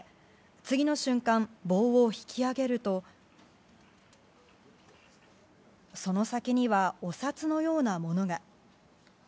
次の瞬間、棒を引き上げるとその先にはお札のようなものが。